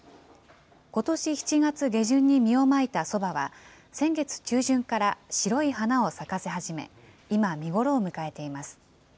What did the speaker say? ことし７月下旬に実をまいたそばは、先月中旬から白い花を咲かせ始め、今、見頃を迎えています。